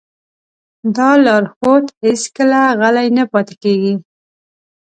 دا لارښود هېڅکله غلی نه پاتې کېږي.